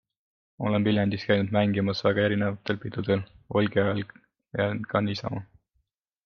Olen Viljandis käinud mängimas väga erinevatel pidudel - folgi ajal ja ka niisama.